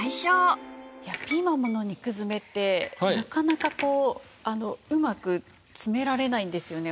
ピーマンの肉づめってなかなかこううまく詰められないんですよね